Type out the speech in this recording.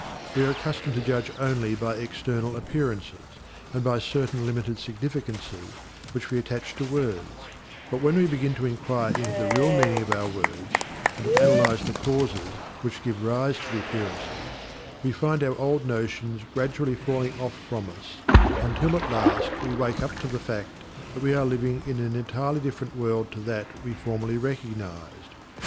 We are accustomed to judge only by external appearances and by certain limited significances which we attach to words; but when we begin to enquire into the real meaning of our words and to analyse the causes which give rise to the appearances, we find our old notions gradually falling off from us, until at last we wake up to the fact that we are living in an entirely different world to that we formerly recognized.